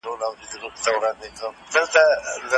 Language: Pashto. زمری 🦁